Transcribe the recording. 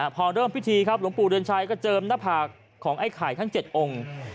พอเริ่มพิธีครับหลวงปู่เดือนชัยก็เจิมหน้าผากของไอ้ไข่ทั้ง๗องค์